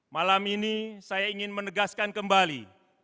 malam ini saya ingin menegaskan kembali